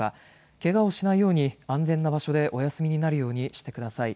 けがをしないように安全な場所でお休みになるようにしてください。